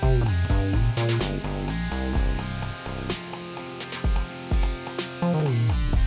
panggul rumah putri liat sekalian dong